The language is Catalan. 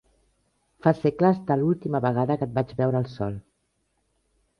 Fa segles de l'última vegada que et vaig veure al sol!